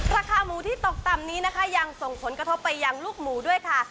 ราคาหมูที่ตกต่ำนี้นะคะยังส่งผลกระทบไปยังลูกหมูด้วยค่ะ